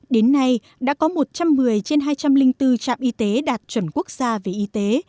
đến nay đã có một trăm một mươi trên hai trăm linh bốn trạm y tế đạt chuẩn quốc gia về y tế